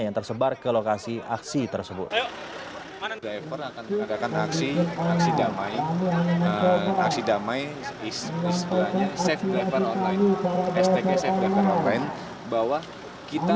yang tersebar ke lokasi aksi tersebut